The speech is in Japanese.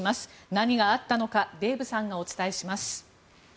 何があったのかデーブさんがお伝えします。